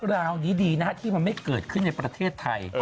ราวนี้ดีนะฮะที่มันไม่เกิดขึ้นในประเทศไทย